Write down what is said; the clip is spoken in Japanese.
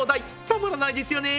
たまらないですよね。